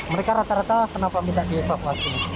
mereka rata rata kenapa minta dievakuasi